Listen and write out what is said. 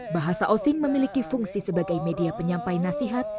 bahasa osing memiliki fungsi sebagai media penyampaian